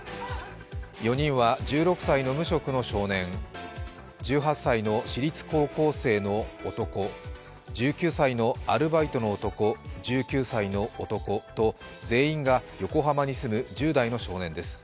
４人は、１６歳の無職の少年、１８歳の私立高校生の男、１９歳のアルバイトの男、１９歳の男と全員が横浜に住む１０代の少年です。